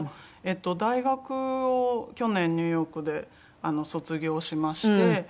大学を去年ニューヨークで卒業しまして。